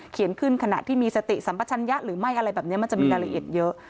ขึ้นขณะที่มีสติสัมปัชญะหรือไม่อะไรแบบนี้มันจะมีรายละเอียดเยอะ